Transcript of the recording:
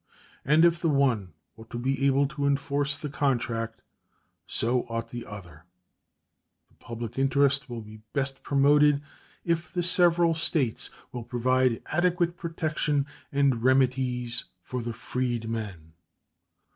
And if the one ought to be able to enforce the contract, so ought the other. The public interest will be best promoted if the several States will provide adequate protection and remedies for the freedmen.